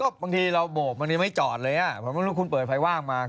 ก็บ่บไม่จอดเลยผมไม่รู้คุณเปิดไฟว่างมา